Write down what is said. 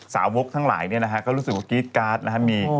สาวกทั้งหลายเนี่ยนะฮะก็รู้สึกว่ากรี๊ดการ์ดนะครับ